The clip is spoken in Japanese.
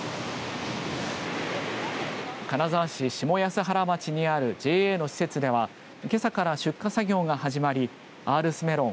金沢市下安原町にあるＪＡの施設ではけさから出荷作業が始まりアールスメロン